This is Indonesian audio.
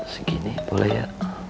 segini boleh ya